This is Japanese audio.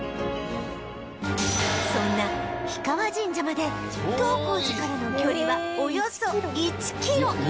そんな氷川神社まで東光寺からの距離はおよそ１キロ！